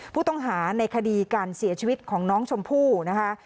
ผู้ต้องหาในคดีการเสียชีวิตของน้องชมพู่นะคะ